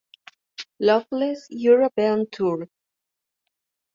Loveless European Tour".